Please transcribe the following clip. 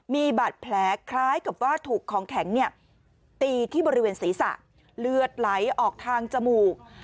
มีบาดแผลคล้ายกับว่าถูกของแข็งตีที่บริเวณศีรษะเลือดไหลออกทางจมูก